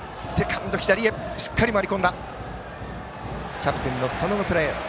キャプテンの佐野のプレー。